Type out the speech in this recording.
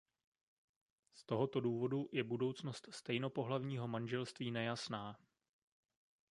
Z tohoto důvodu je budoucnost stejnopohlavního manželství nejasná.